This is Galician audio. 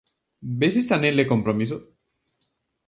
Ves este anel de compromiso?